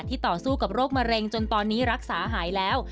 ต่อสู้กับโรคมะเร็งจนตอนนี้รักษาหายแล้ว